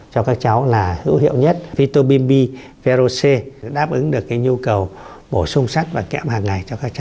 cho các cháu là hữu hiệu nhất phyto bimbi verose đáp ứng được nhu cầu bổ sung sát và kẽm hàng ngày